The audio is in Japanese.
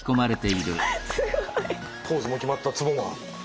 ポーズも決まったツボマン。